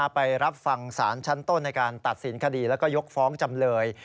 ไปรับฟังสารชั้นต้นในการตัดสินคดีแล้วก็ยกฟ้องจำเลย